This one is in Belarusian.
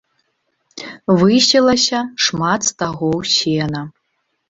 Высілася шмат стагоў сена.